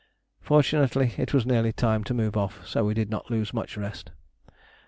Fortunately, it was nearly time to move off, so we did not lose much rest.